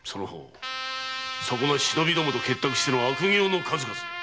そこな忍びどもと結託しての悪業の数々。